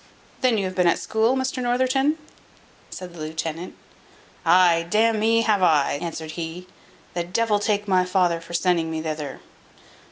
"Then you have been at school, Mr Northerton?" said the lieutenant. "Ay, d n me, have I," answered he; "the devil take my father for sending me thither!